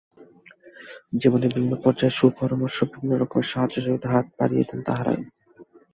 জীবনের বিভিন্ন পর্যায়ে সুপরামর্শ, বিভিন্ন রকমের সাহায্য-সহযোগিতার হাত বাড়িয়ে দেন তাঁরাই।